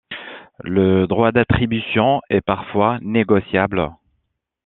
Le droit d’attribution est parfois négociable.